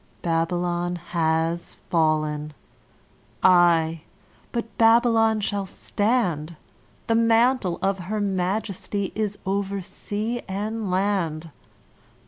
Babylon has fallen! Aye; but Babylon shall stand: The mantle of her majesty is over sea and land.